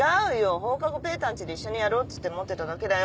放課後ぺーたん家で一緒にやろうっつって持ってただけだよ。